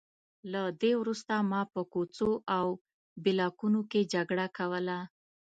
له دې وروسته ما په کوڅو او بلاکونو کې جګړه کوله